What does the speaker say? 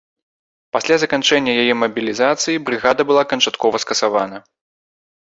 Пасля заканчэння яе мабілізацыі, брыгада была канчаткова скасавана.